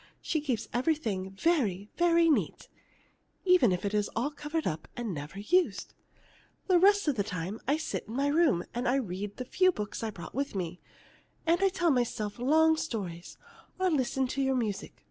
She keeps everything very, very neat, even if it is all covered up and never used. The rest of the time I sit in my room and read the few books I brought with me, and tell myself long stories, or listen to your music.